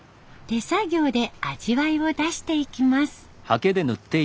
手作業で味わいを出していきます。